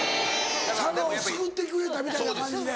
佐賀を救ってくれたみたいな感じで。